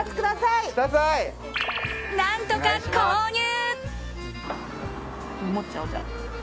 何とか購入！